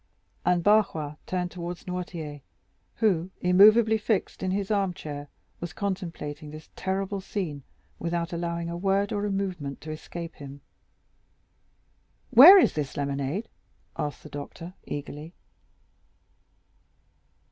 And Barrois turned towards Noirtier, who, immovably fixed in his armchair, was contemplating this terrible scene without allowing a word or a movement to escape him. "Where is this lemonade?" asked the doctor eagerly.